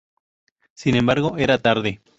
Sin embargo era tarde.